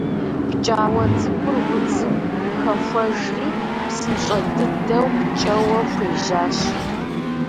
Пкӏауэ цӏыкӏур удзым хэхуэжри псынщӏэ дыдэу пкӏэуэ хуежьащ.